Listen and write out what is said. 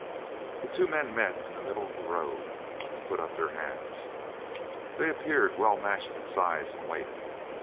The two men met in the middle of the road, and put up their hands. They appeared well matched in size and weight.